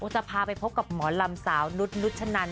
จะพาไปพบกับหมอลำสาวนุษย์นุชนัน